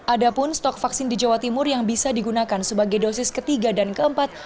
ada pun stok vaksin di jawa timur yang bisa digunakan sebagai dosis ketiga dan keempat